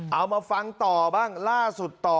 เอามาฟังต่อบ้างล่าสุดต่อ